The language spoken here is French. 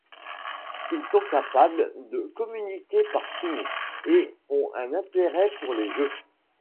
Ils sont capables de communiquer par signes et ont un intérêt pour les jeux.